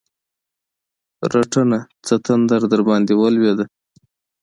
رټنه؛ څه تندر درباندې ولوېد؟!